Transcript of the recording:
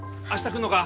来んのか？